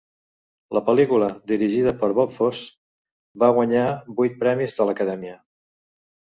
La pel·lícula, dirigida per Bob Fosse, va guanyar vuit premis de l'Acadèmia.